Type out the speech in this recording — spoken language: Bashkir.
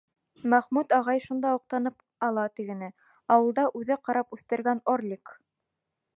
Мәхмүт ағай шунда уҡ танып ала тегене: ауылда үҙе ҡарап үҫтергән Орлик!